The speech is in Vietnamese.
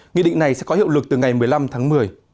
nghị định này sẽ có hiệu lực từ ngày một mươi năm tháng một mươi